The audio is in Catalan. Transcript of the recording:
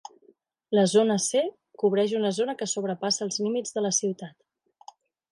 La zona C cobreix una zona que sobrepassa els límits de la ciutat.